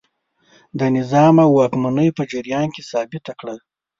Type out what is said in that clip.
د نظام او واکمنۍ په جریان کې ثابته کړه.